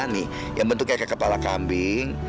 nih yang bentuk kayak kepala kambing